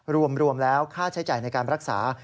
รวมแล้วค่าใช้จ่ายในการรักษา